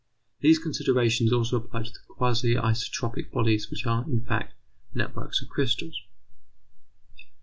These considerations also apply to quasi isotropic bodies which are, in fact, networks of crystals.